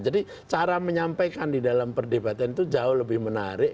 jadi cara menyampaikan di dalam perdebatan itu jauh lebih menarik